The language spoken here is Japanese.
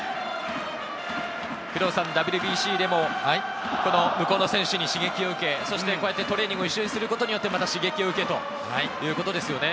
ＷＢＣでも向こうの選手に刺激を受け、こうやってトレーニングを一緒にすることで、また刺激を受け、ということですね。